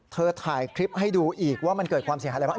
ถ่ายคลิปให้ดูอีกว่ามันเกิดความเสียหายอะไรบ้าง